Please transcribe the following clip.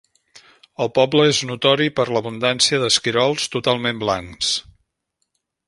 El poble és notori per l'abundància d'esquirols totalment blancs.